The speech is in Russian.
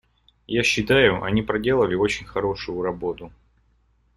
Я считаю, они проделали очень хорошую работу.